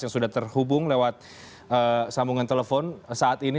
yang sudah terhubung lewat sambungan telepon saat ini